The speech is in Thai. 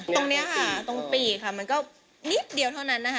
ตรงนี้ค่ะตรงปีกค่ะมันก็นิดเดียวเท่านั้นนะคะ